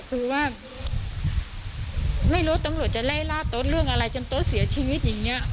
คือว่าไม่รู้ตำรวจจะไล่ล่าโต๊ะเรื่องอะไรจนโต๊ะเสียชีวิตอย่างนี้